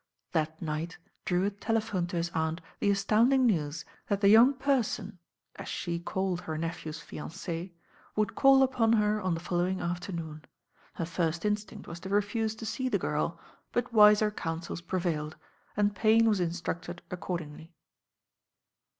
That night Drewitt telephoned to his aunt the astounding news that the young person, as she called her nephew's fiancee, would call upon her on the following afternoon. Her first instinct was to refuse to see the girl; but wiser counsels prevailed, and Payne was instructed accordingly.